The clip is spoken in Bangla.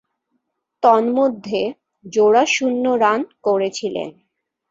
তন্মধ্যে, জোড়া শূন্য রান করেছিলেন।